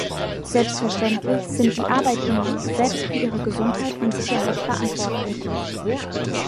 Selbstverständlich sind die Arbeitnehmer selbst für ihre Gesundheit und Sicherheit verantwortlich.